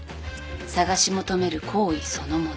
探し求める行為そのもの。